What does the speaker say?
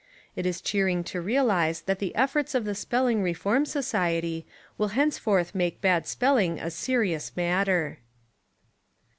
It is cheering to realise that the efforts of the spelling reform society will henceforth make bad spelling a serious matter.